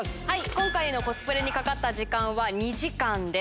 今回のコスプレにかかった時間は２時間です。